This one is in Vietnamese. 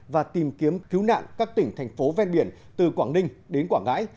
và tìm kiếm cứu nạn các tỉnh thành phố ven biển từ quảng ninh đến quảng ngãi